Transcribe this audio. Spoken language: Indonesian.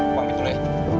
aku ambil dulu ya